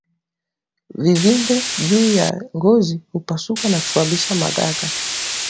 Vivimbe juu ya ngozi hupasuka na kusababisha magaga